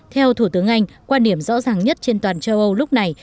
theo thủ tướng anh quan điểm rõ ràng nhất trên toàn châu âu lúc này